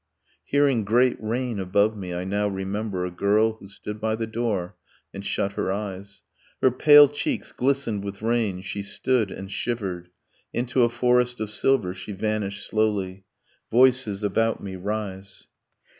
. Hearing great rain above me, I now remember A girl who stood by the door and shut her eyes: Her pale cheeks glistened with rain, she stood and shivered. Into a forest of silver she vanished slowly ... Voices about me rise